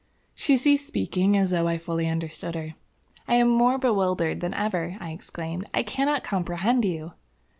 She ceased speaking, as though I fully understood her. "I am more bewildered than ever," I exclaimed. "I cannot comprehend you."